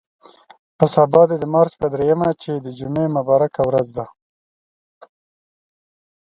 په دې سبا د مارچ په درېیمه چې د جمعې مبارکه ورځ وه.